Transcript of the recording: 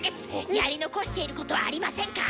やり残していることはありませんか？